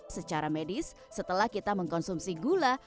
secara medis setelah kita mengkonsumsi gula